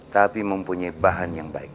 tapi mempunyai bahan yang baik